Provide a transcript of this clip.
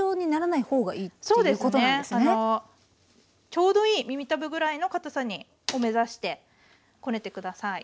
ちょうどいい耳たぶぐらいのかたさを目指してこねて下さい。